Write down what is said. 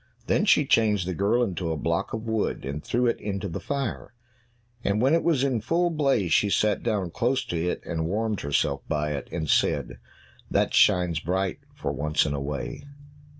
Then she changed the girl into a block of wood, and threw it into the fire. And when it was in full blaze she sat down close to it, and warmed herself by it, and said, "That shines bright for once in a way."